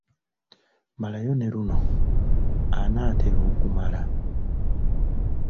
Malayo ne luno: Anaatera okumala, ….